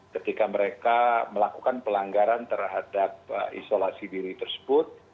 ketika mereka melakukan pelanggaran terhadap isolasi diri tersebut